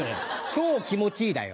「超気持ちいい」だよ。